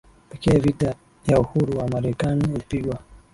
pekee Vita ya Uhuru wa Marekani ilipigwa